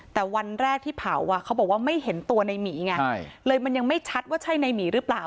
แต่วันแรกที่เผาอ่ะเขาบอกว่าไม่เห็นตัวในหมีไงเลยมันยังไม่ชัดว่าใช่ในหมีหรือเปล่า